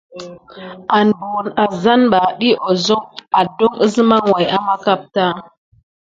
An buwune azzane ɓà, ɗiy adoŋ əzem way ama kapta.